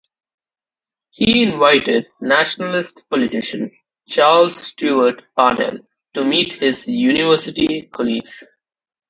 He invited nationalist politician Charles Stewart Parnell to meet his University colleagues.